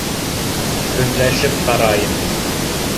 Көнләшеп ҡарайым